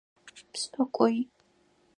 Пшӏыкӏуи.